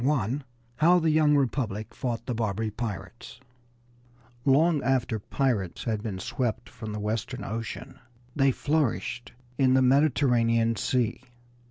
IV HOW THE YOUNG REPUBLIC FOUGHT THE BARBARY PIRATES I Long after pirates had been swept from the Western Ocean they flourished in the Mediterranean Sea.